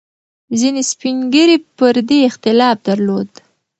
ځینې سپین ږیري پر دې اختلاف درلود.